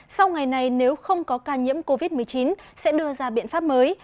sau ngày này nếu không có ca nhiễm covid một mươi chín sẽ đưa ra biện pháp mới